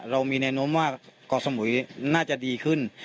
เรามีแนวโน้มว่าเกาะสมุยน่าจะดีขึ้น